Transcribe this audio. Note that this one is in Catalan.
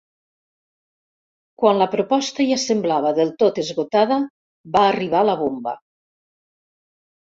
Quan la proposta ja semblava del tot esgotada va arribar la bomba.